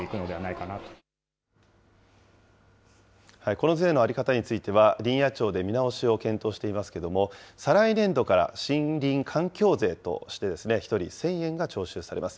この税の在り方については、林野庁で見直しを検討していますけれども、再来年度から森林環境税としてですね、１人１０００円が徴収されます。